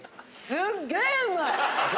すっげぇうまい！